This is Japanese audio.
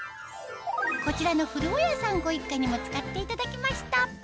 こちらの古尾谷さんご一家にも使っていただきました